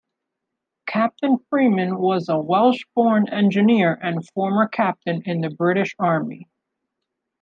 Captain Freeman was a Welsh-born engineer and former captain in the British Army.